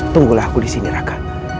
tunggulah aku disini raka